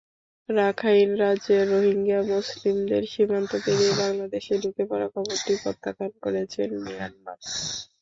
Rakhine রাজ্যের Rohingya মুসলিমদের সীমান্ত পেরিয়ে বাংলাদেশে ঢুকে পড়ার খবরটি প্রত্যাখ্যান করেছে মিয়ানমার।